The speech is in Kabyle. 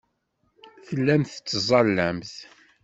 Tellamt tettẓallamt.